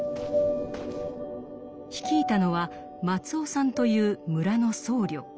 率いたのは松男さんという村の僧侶。